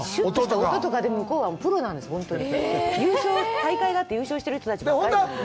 大会があって、優勝してる人たちばっかりなんで。